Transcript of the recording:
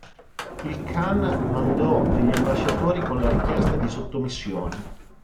Il Khan mandò degli ambasciatori con la richiesta di sottomissione.